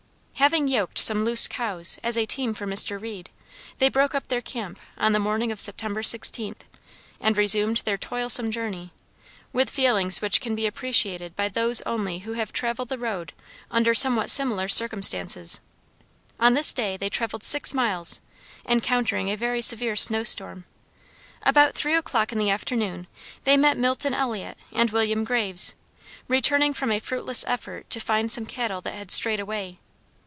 "Having yoked some loose cows, as a team for Mr. Reed, they broke up their camp, on the morning of September 16th, and resumed their toilsome journey, with feelings which can be appreciated by those only who have traveled the road under somewhat similar circumstances. On this day they traveled six miles, encountering a very severe snow storm. About three o'clock in the afternoon, they met Milton Elliot and William Graves, returning from a fruitless effort to find some cattle that had strayed away.